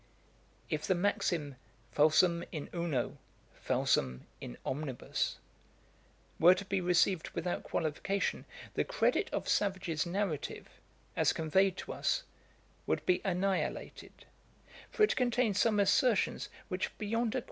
If the maxim falsum in uno, falsum in omnibus, were to be received without qualification, the credit of Savage's narrative, as conveyed to us, would be annihilated; for it contains some assertions which, beyond a question, are not true.